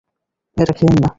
এটা খেয়েন না!